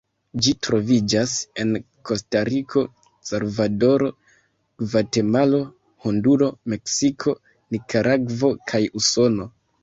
Ĝi troviĝas en Kostariko, Salvadoro, Gvatemalo, Honduro, Meksiko, Nikaragvo kaj Usono.